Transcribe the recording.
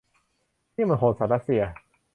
นี่มันโหดสัสรัสเซีย